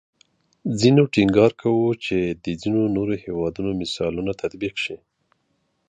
ځینو ټینګار کوو چې د ځینې نورو هیوادونو مثالونه تطبیق شي